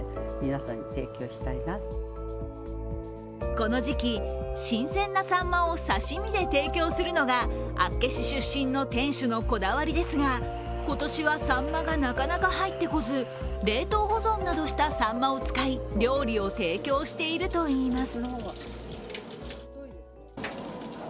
この時期、新鮮なさんまを刺身で提供するのが厚岸出身の店主のこだわりですが今年はさんまがなかなか入ってこず冷凍保存などしたさんまを使い料理を提供しているといいます。